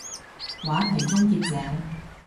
話題終結者